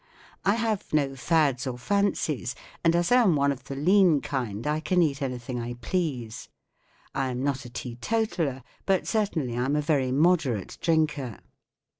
I have no fads or fancier* and as I am one of the lean kind I can eat anything I please. I am not a teetotaller, but certainly I am a very moderate drinker.